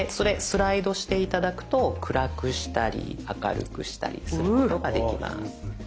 スライドして頂くと暗くしたり明るくしたりすることができます。